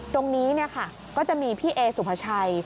ตรงนี้เนี่ยค่ะก็จะมีพี่เอสุพชัย